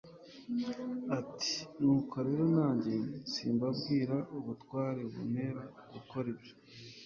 ati: "Nuko rero nanjye simbabwira ubutware buntera gukora ibyo."